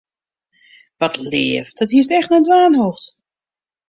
Wat leaf, dat hiest echt net dwaan hoegd.